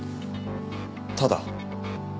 ただ？